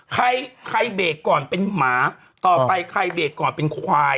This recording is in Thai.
ใครใครเบรกก่อนเป็นหมาต่อไปใครเบรกก่อนเป็นควาย